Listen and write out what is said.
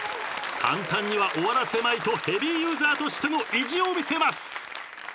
簡単には終わらせまいとヘビーユーザーとしての意地を見せます！